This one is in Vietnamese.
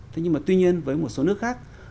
thế nhưng mà tuy nhiên với một số nước khác